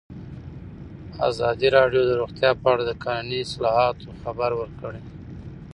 ازادي راډیو د روغتیا په اړه د قانوني اصلاحاتو خبر ورکړی.